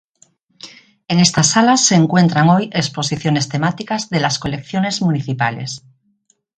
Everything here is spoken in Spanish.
En estas salas se encuentran hoy exposiciones temáticas de las colecciones municipales.